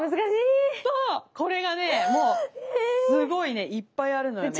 これがねもうすごいねいっぱいあるのよね。